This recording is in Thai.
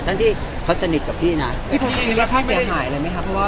ทั้งที่เขาสนิทกับพี่น่ะพี่พรุ่งนี้แล้วค่อยไม่ได้หายอะไรไหมค่ะ